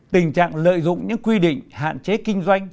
tình trạng lợi dụng những quy định hạn chế kinh doanh